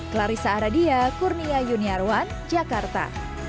clarissa aradia kurnia yuniarwan jakarta